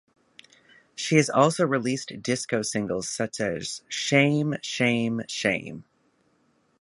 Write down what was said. She has also released disco singles such as Shame, Shame, Shame!